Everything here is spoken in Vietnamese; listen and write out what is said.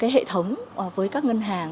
hệ thống với các ngân hàng